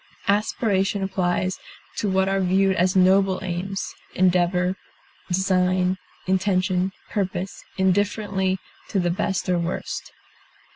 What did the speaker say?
Aspiration applies to what are viewed as noble aims; endeavor, design, intention, purpose, indifferently to the best or worst.